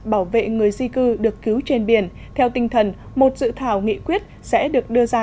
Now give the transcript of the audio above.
bảo vệ người di cư được cứu trên biển theo tinh thần một dự thảo nghị quyết sẽ được đưa ra